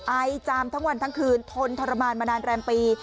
อายจามทั้งวันทั้งคืนทนทรมานมานานแรมปี